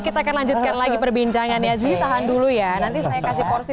kita akan lanjutkan lagi perbincangan ya zizi tahan dulu ya nanti saya kasih porsi